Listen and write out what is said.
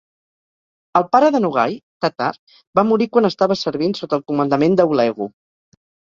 El pare de Nogai, Tatar, va morir quan estava servint sota el comandament de Hulegu.